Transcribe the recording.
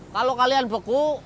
kalau kalian beku